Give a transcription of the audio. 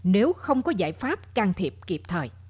nếu không có giải pháp can thiệp kịp